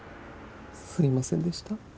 すいませんでした。